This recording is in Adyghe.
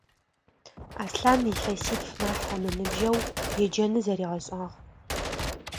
Аслъан илъэситф нахь ымыныбжьэу еджэныр зэригъэшӏагъ.